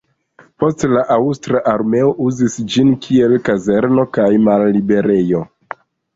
Poste la aŭstra armeo uzis ĝin kiel kazerno kaj malliberejo.